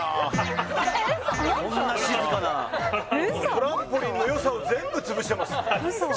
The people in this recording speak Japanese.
トランポリンのよさを全部つぶしてます